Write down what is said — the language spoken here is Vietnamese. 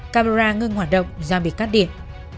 camera ngưng hoạt động do bị cắt điện